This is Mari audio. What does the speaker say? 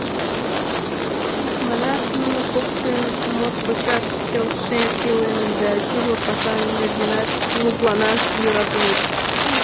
Икманаш, нуно коктын моткочак келшен иленыт да тӱрлӧ паша нергенат мутланаш йӧратеныт.